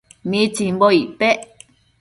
¿mitsimbo icpec